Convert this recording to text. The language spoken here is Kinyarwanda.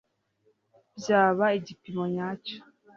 Byaba igipimo nyacyo